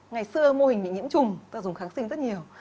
ngày xưa mô hình bị nhiễm chung ta dùng kháng sinh rất nhiều